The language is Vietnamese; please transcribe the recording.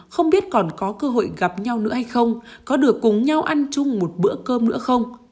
không biết còn có cơ hội gặp nhau nữa hay không có được cùng nhau ăn chung một bữa cơm nữa không